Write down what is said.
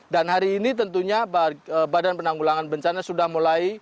dan hari ini tentunya badan penanggulangan bencana sudah mulai